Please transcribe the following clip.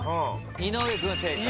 井上君正解。